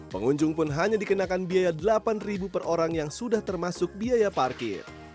pengunjung pun hanya dikenakan biaya rp delapan per orang yang sudah termasuk biaya parkir